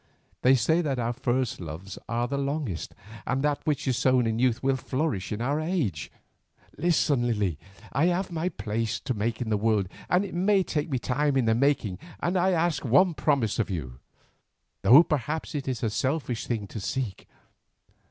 They say that our first loves are the longest, and that which is sown in youth will flourish in our age. Listen, Lily; I have my place to make in the world, and it may take a time in the making, and I ask one promise of you, though perhaps it is a selfish thing to seek.